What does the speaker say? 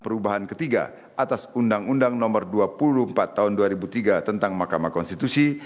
perubahan ketiga atas undang undang nomor dua puluh empat tahun dua ribu tiga tentang mahkamah konstitusi